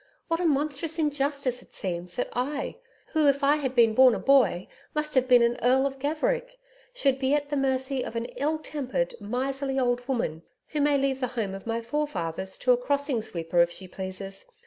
What a monstrous injustice it seems that I who if I had been born a boy, must have been Earl of Gaverick, should be at the mercy of an ill tempered, miserly, old woman who may leave the home of my forefathers to a crossing sweeper if she pleases.